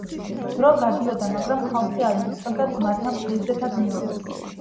დრო გადიოდა, მაგრამ ხალხი არ ივიწყებდა ძმათა მხეიძეთა გმირობას.